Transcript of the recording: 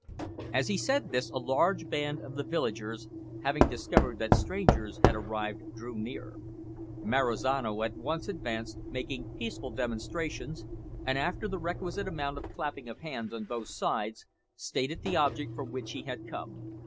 As he said this a large band of the villagers, having discovered that strangers had arrived, drew near. Marizano at once advanced, making peaceful demonstrations, and, after the requisite amount of clapping of hands on both sides, stated the object for which he had come.